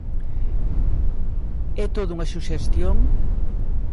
É todo unha suxestión?